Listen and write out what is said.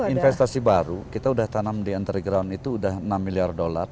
investasi baru kita udah tanam di underground itu udah enam million dollars